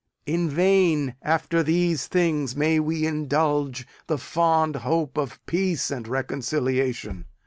In vain, after these things, may we indulge the fond hope of peace and reconciliation.